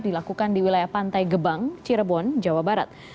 dilakukan di wilayah pantai gebang cirebon jawa barat